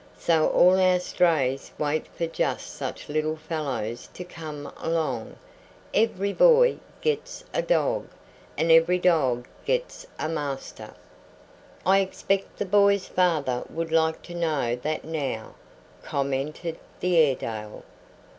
So all our strays wait for just such little fellows to come along. Every boy gets a dog, and every dog gets a master." "I expect the boy's father would like to know that now," commented the Airedale.